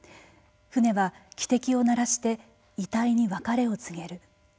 船は汽笛を鳴らして遺体に別れを告げる。